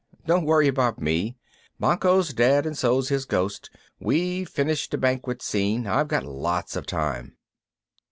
"Don't worry about me. Banquo's dead and so's his ghost. We've finished the Banquet Scene. I've got lots of time."